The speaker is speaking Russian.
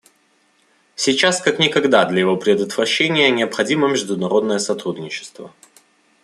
Сейчас как никогда для его предотвращения необходимо международное сотрудничество.